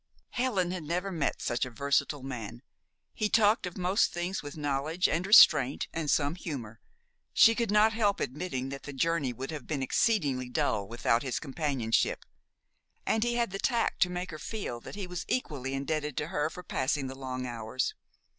Helen had never met such a versatile man. He talked of most things with knowledge and restraint and some humor. She could not help admitting that the journey would have been exceedingly dull without his companionship, and he had the tact to make her feel that he was equally indebted to her for passing the long hours.